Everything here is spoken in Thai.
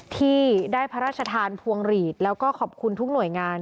ที่ได้พระราชทานพวงหลีดแล้วก็ขอบคุณทุกหน่วยงาน